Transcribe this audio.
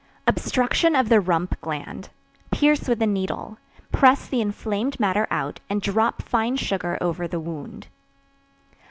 Obstruction of the Rump Gland Pierce with a needle. Press the inflamed matter out, and drop fine sugar over the wound.